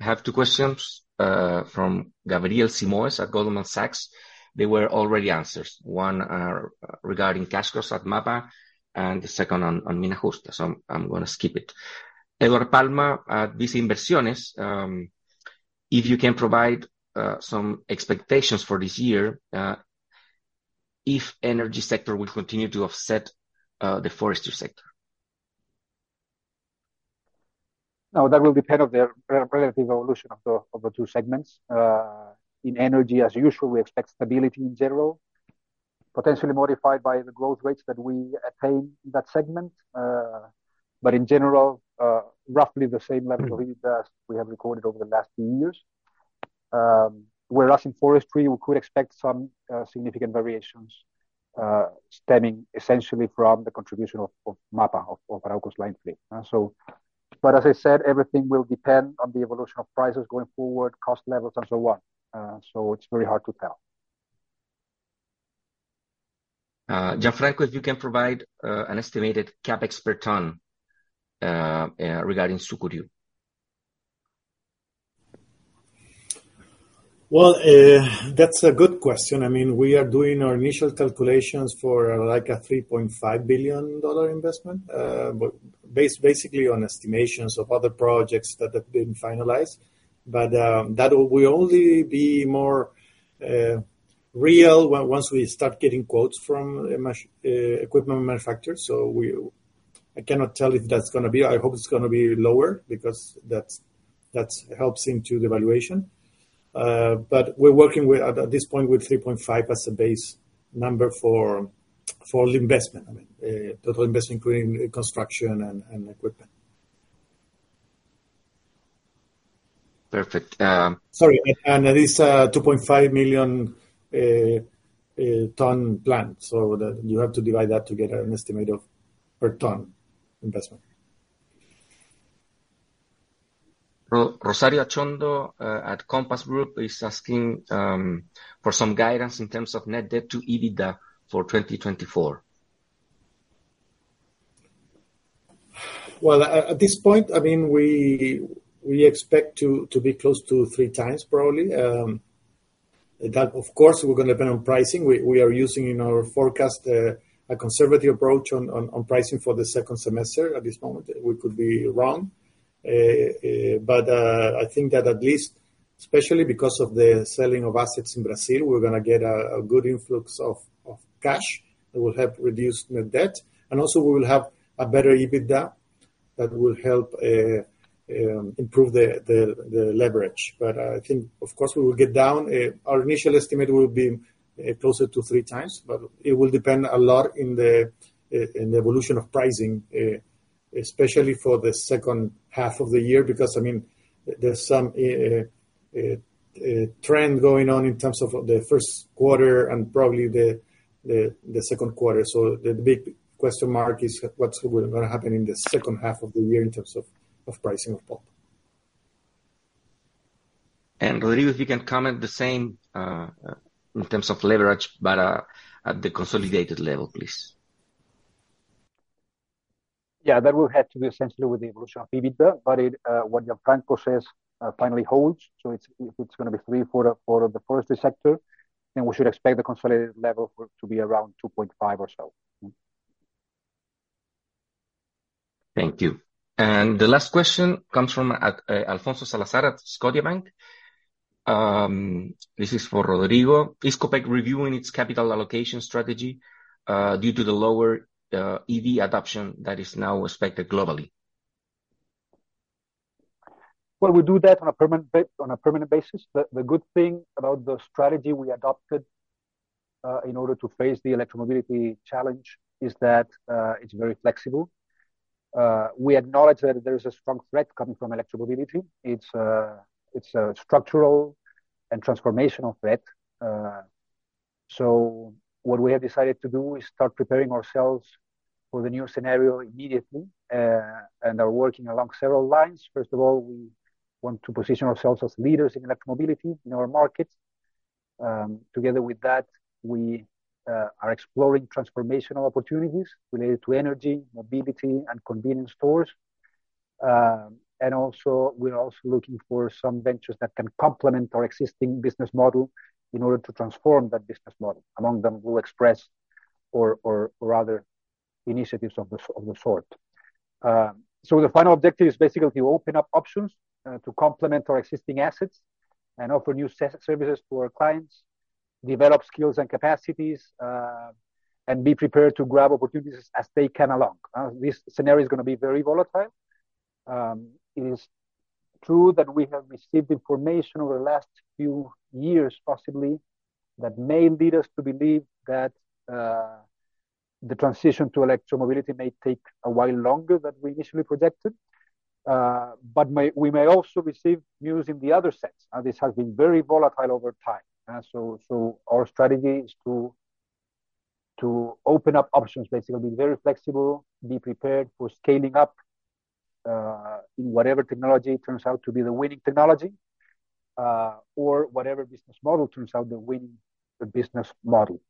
I have two questions from Gabriel Simões at Goldman Sachs. They were already answered. One regarding cash cost at MAPA and the second on Mina Justa. So I'm going to skip it. Eduardo Palma at Bice Inversiones, if you can provide some expectations for this year if energy sector will continue to offset the forestry sector. No, that will depend on the relative evolution of the two segments. In energy, as usual, we expect stability in general, potentially modified by the growth rates that we attain in that segment. But in general, roughly the same level of impact we have recorded over the last few years. Whereas in forestry, we could expect some significant variations stemming essentially from the contribution of MAPA, of Arauco's Line 3. But as I said, everything will depend on the evolution of prices going forward, cost levels, and so on. So it's very hard to tell. Gianfranco, if you can provide an estimated CapEx per ton regarding Sucuriú? Well, that's a good question. I mean, we are doing our initial calculations for like a $3.5 billion investment, basically on estimations of other projects that have been finalized. But that will only be more real once we start getting quotes from equipment manufacturers. So I cannot tell if that's going to be. I hope it's going to be lower because that helps into the valuation. But we're working, at this point, with $3.5 billion as a base number for the investment, total investment including construction and equipment. Perfect. Sorry. It is a 2.5 million ton plan. You have to divide that to get an estimate of per ton investment. Rosario Achondo at Compass Group is asking for some guidance in terms of net debt to EBITDA for 2024. Well, at this point, I mean, we expect to be close to three times, probably. Of course, we're going to depend on pricing. We are using, in our forecast, a conservative approach on pricing for the second semester at this moment. We could be wrong. But I think that at least, especially because of the selling of assets in Brazil, we're going to get a good influx of cash that will help reduce net debt. And also, we will have a better EBITDA that will help improve the leverage. But I think, of course, we will get down. Our initial estimate will be closer to three times. But it will depend a lot on the evolution of pricing, especially for the second half of the year because, I mean, there's some trend going on in terms of the first quarter and probably the second quarter. So the big question mark is what's going to happen in the second half of the year in terms of pricing of pulp. Rodrigo, if you can comment the same in terms of leverage but at the consolidated level, please. Yeah, that will have to do essentially with the evolution of EBITDA. But what Gianfranco says finally holds. So if it's going to be $3.4 for the forestry sector, then we should expect the consolidated level to be around $2.5 or so. Thank you. The last question comes from Alfonso Salazar at Scotiabank. This is for Rodrigo. Is Copec reviewing its capital allocation strategy due to the lower EV adoption that is now expected globally? Well, we do that on a permanent basis. The good thing about the strategy we adopted in order to face the electromobility challenge is that it's very flexible. We acknowledge that there is a strong threat coming from electromobility. It's a structural and transformational threat. So what we have decided to do is start preparing ourselves for the new scenario immediately and are working along several lines. First of all, we want to position ourselves as leaders in electromobility in our markets. Together with that, we are exploring transformational opportunities related to energy, mobility, and convenience stores. We're also looking for some ventures that can complement our existing business model in order to transform that business model. Among them, Blue Express or other initiatives of the sort. So the final objective is basically to open up options to complement our existing assets and offer new services to our clients, develop skills and capacities, and be prepared to grab opportunities as they come along. This scenario is going to be very volatile. It is true that we have received information over the last few years, possibly, that may lead us to believe that the transition to electromobility may take a while longer than we initially projected. But we may also receive news in the other sense. This has been very volatile over time. So our strategy is to open up options, basically be very flexible, be prepared for scaling up in whatever technology turns out to be the winning technology or whatever business model turns out the winning business model.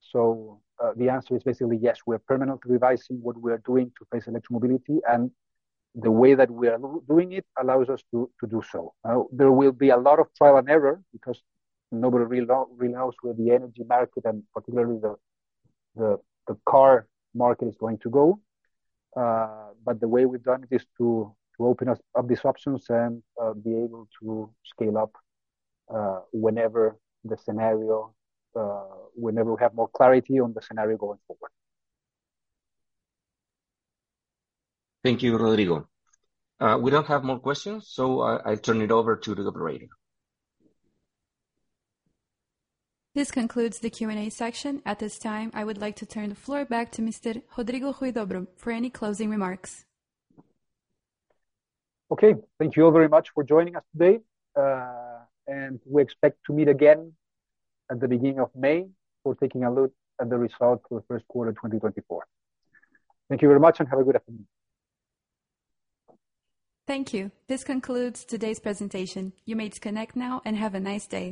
So the answer is basically, yes, we are permanently revising what we are doing to face electromobility. The way that we are doing it allows us to do so. There will be a lot of trial and error because nobody really knows where the energy market and particularly the car market is going to go. The way we've done it is to open up these options and be able to scale up whenever we have more clarity on the scenario going forward. Thank you, Rodrigo. We don't have more questions. I'll turn it over to the operator. This concludes the Q&A section. At this time, I would like to turn the floor back to Mr. Rodrigo Huidobro for any closing remarks. Okay. Thank you all very much for joining us today. We expect to meet again at the beginning of May for taking a look at the results for the first quarter of 2024. Thank you very much, and have a good afternoon. Thank you. This concludes today's presentation. You may disconnect now and have a nice day.